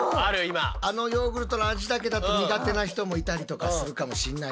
あのヨーグルトの味だけだと苦手な人もいたりとかするかもしんないですから。